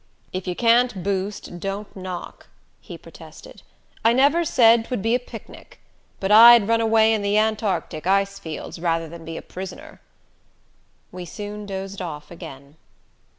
"If you can't boost, don't knock," he protested. "I never said 'twould be a picnic. But I'd run away in the Antarctic ice fields rather than be a prisoner." We soon dozed off again.